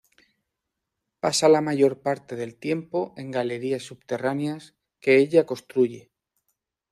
Pasa la mayor parte del tiempo en galerías subterráneas que ella construye.